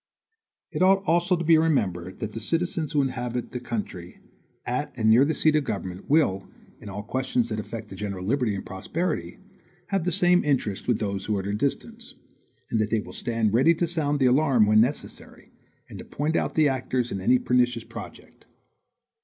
It ought also to be remembered that the citizens who inhabit the country at and near the seat of government will, in all questions that affect the general liberty and prosperity, have the same interest with those who are at a distance, and that they will stand ready to sound the alarm when necessary, and to point out the actors in any pernicious project.